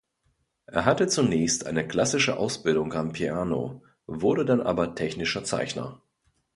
Er hatte zunächst eine klassische Ausbildung am Piano, wurde dann aber technischer Zeichner.